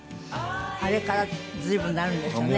あれから随分になるんでしょうね。